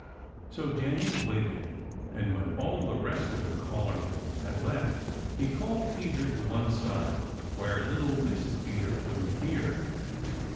So Danny waited, and when all the rest of the callers had left he called Peter to one side where little Mrs. Peter couldn't hear.